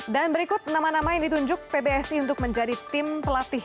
dan berikut nama nama yang ditunjuk pbsi untuk menjadi tim pelatih